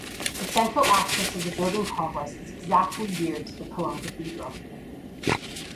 The central axis of the building complex is exactly geared to the Cologne Cathedral.